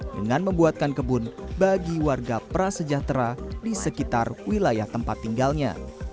dengan membuatkan kebun bagi warga prasejahtera di sekitar wilayah tempat tinggalnya